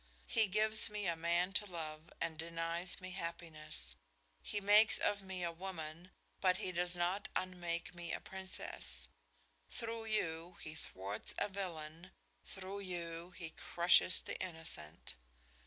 "He gives me a man to love and denies me happiness. He makes of me a woman, but He does not unmake me a princess. Through you, He thwarts a villain; through you, He crushes the innocent.